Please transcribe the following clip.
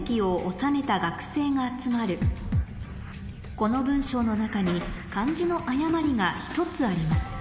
この文章の中に漢字の誤りが１つあります